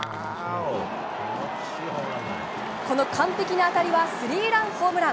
この完璧な当たりはスリーランホームラン。